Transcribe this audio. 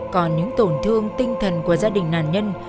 còn những tổn thương tinh thần của gia đình nạn nhân